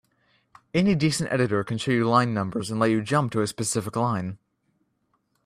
Any decent editor can show you line numbers and let you jump to a specific line.